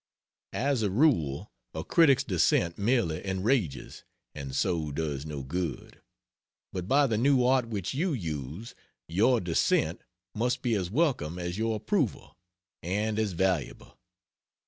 As a rule a critic's dissent merely enrages, and so does no good; but by the new art which you use, your dissent must be as welcome as your approval, and as valuable.